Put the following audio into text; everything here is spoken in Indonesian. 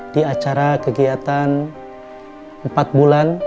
di acara kegiatan empat bulan